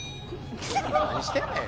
何してんねん。